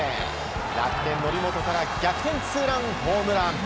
楽天、則本から逆転ツーランホームラン！